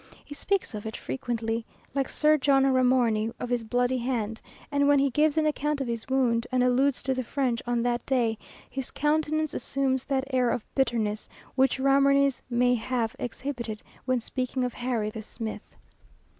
He speaks of it frequently, like Sir John Ramorny of his bloody hand, and when he gives an account of his wound, and alludes to the French on that day, his countenance assumes that air of bitterness which Ramorny's may have exhibited when speaking of "Harry the Smith."